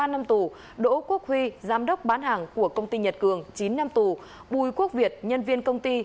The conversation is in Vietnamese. ba năm tù đỗ quốc huy giám đốc bán hàng của công ty nhật cường chín năm tù bùi quốc việt nhân viên công ty